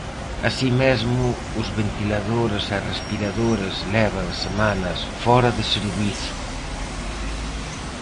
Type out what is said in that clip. Así mesmo, os ventiladores e respiradores levan semanas fóra de servizo.